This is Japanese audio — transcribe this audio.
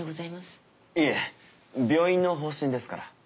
いいえ病院の方針ですから。